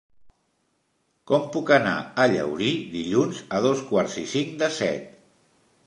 Com puc anar a Llaurí dilluns a dos quarts i cinc de set?